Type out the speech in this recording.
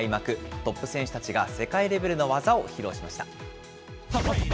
トップ選手たちが世界レベルの技を披露しました。